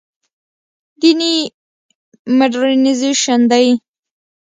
دیني مډرنیزېشن دی.